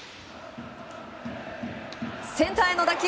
センターへの打球